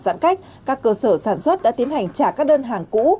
giãn cách các cơ sở sản xuất đã tiến hành trả các đơn hàng cũ